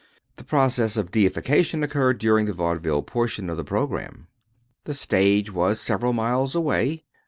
The process of deification occurred during the vaudeville portion of the program. The stage was several miles away.